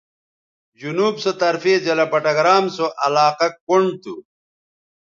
جنوب سو طرفے ضلع بٹگرام سو علاقہ کنڈ تھو